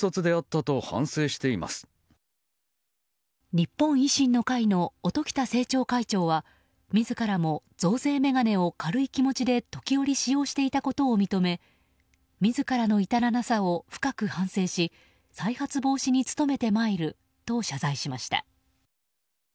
日本維新の会の音喜多政調会長は自らも増税メガネを軽い気持ちで時折使用していたことを認め自らの至らなさを深く反省し再発防止に努めてまいると謝罪しました。